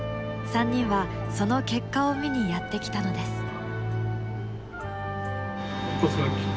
３人はその結果を見にやって来たのです。